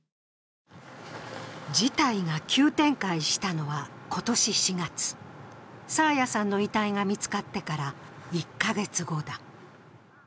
事態が急展開したのは、今年４月爽彩さんの遺体が見つかってから１カ月後だ。